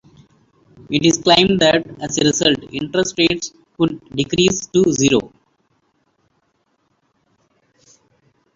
It is claimed that as a result, interest rates could decrease to zero.